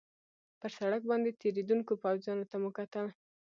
پر سړک باندې تېرېدونکو پوځیانو ته مو کتل.